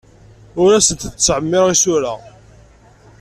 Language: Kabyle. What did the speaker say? Ur asent-d-ttɛemmiṛeɣ isura.